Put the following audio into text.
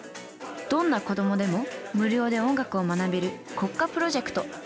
どんな子どもでも無料で音楽を学べる国家プロジェクト。